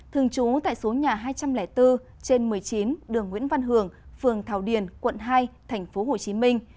thường trú tại số nhà hai trăm linh bốn trên một mươi chín đường nguyễn văn hường phường thảo điền quận hai tp hcm